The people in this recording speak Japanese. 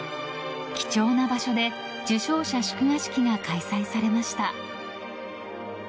貴重な場所で受賞者祝賀式が開催されました。